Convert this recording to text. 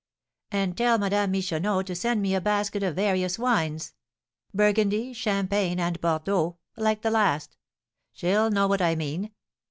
"And tell Madame Michonneau to send me a basket of various wines, burgundy, champagne, and bordeaux, like the last; she'll know what I mean.